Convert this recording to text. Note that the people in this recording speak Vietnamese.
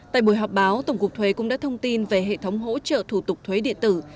tại buổi họp báo tổng cục thuế cũng đã thông tin về hệ thống hỗ trợ thủ tục thuế điện tử